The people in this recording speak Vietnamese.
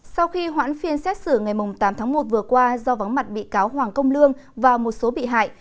sau khi hoãn phiên xét xử ngày tám tháng một vừa qua do vắng mặt bị cáo hoàng công lương và một số bị hại